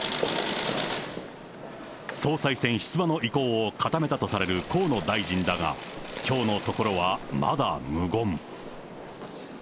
総裁選出馬の意向を固めたとされる河野大臣だが、きょうのところはまだ無言。